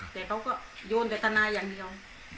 แต่เขาก็โยนแต่ทนายอย่างเดียว